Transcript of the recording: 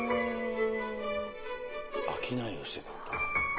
商いをしてたんだ。